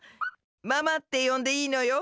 ママってよんでいいのよ。